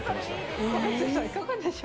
いかがでしょう。